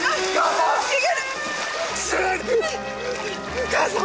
お義母さん！